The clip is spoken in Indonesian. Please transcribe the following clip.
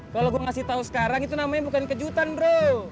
kalau gue ngasih tau sekarang itu namanya bukan kejutan bro